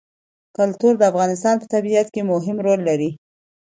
کلتور د افغانستان په طبیعت کې مهم رول لري.